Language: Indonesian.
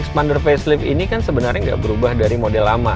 mesin xpander facelift ini kan sebenarnya gak berubah dari model lama